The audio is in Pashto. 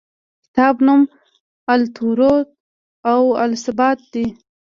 کتاب نوم التطور و الثبات دی.